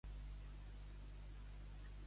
Què pretenen que permeti l'executiu de Sánchez?